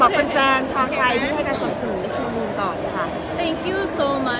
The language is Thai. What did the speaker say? พร้อมไหมคะมีอะไรอยากจะบอกเพื่อนแฟนช่องไทยที่ให้ใครสนุนที่คือวินต่อนะคะ